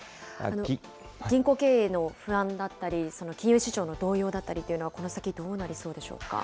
銀行経営の不安だったり、金融市場の動揺だったりというのは、この先どうなりそうでしょう